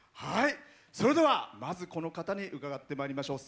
それでは、まず、この方にお伺いしていきましょう。